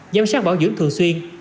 giám sát bảo dưỡng thường xuyên